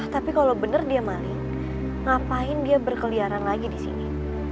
tapi kalau benar dia maling ngapain dia berkeliaran lagi di sini